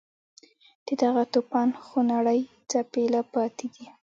د دغه توپان خونړۍ څپې لا پاتې دي.